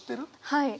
はい。